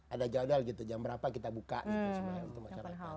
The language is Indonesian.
ada jadwal gitu jam berapa kita buka gitu semua ya